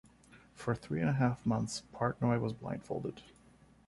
For three and a half months, Partnoy was blindfolded.